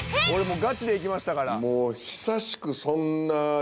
俺ガチでいきましたから。